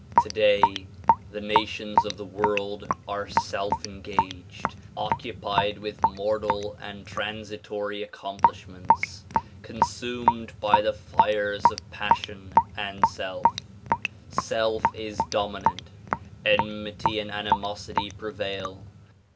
Today the nations of the world are self engaged ; occupied with mortal and transitory accomplishments; consumed by the fires of passion and self. Self is dominant ; enmity and animosity prevail.